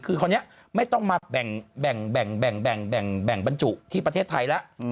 คือคราวนี้ไม่ต้องมาแบ่งบรรจุที่ประเทศไทยแล้ว